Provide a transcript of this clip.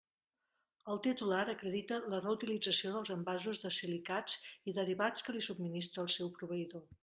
El titular acredita la reutilització dels envasos de silicats i derivats que li subministra el seu proveïdor.